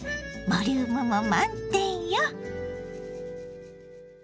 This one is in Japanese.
ボリュームも満点よ。